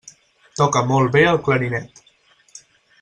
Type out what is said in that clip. Toca molt bé el clarinet.